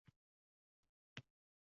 Hozircha vakant o'rin mavjud emas.